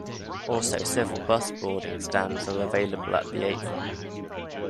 Also several bus-boarding stands are available at the apron.